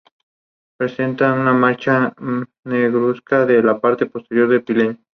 Presenta una mancha negruzca en la parte posterior del píleo.